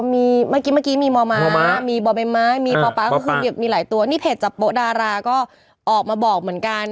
เมื่อกี้มีม่อม้ามีบอเบนม้ามีป่อป่ามีหลายตัวนี่เพจจับโป๊ดาราก็ออกมาบอกเหมือนกัน